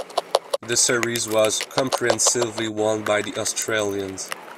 The series was comprehensively won by the Australians.